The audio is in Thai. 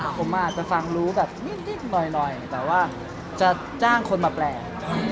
ผมอาจจะฟังรู้แบบนิดหน่อยแต่ว่าจะจ้างคนมาแปล